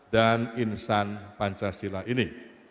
dan insan pancasila ini